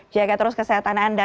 jaga terus kesehatan anda